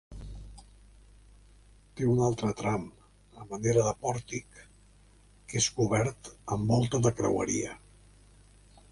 Té un altre tram, a manera de pòrtic, que és cobert amb volta de creueria.